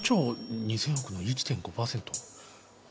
７兆２，０００億の１．５％。